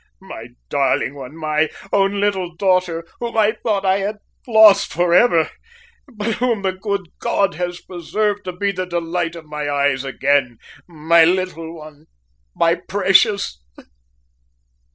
"My darling one, my own little daughter, whom I thought I had lost for ever, but whom the good God has preserved to be the delight of my eyes again, my little one, my precious!"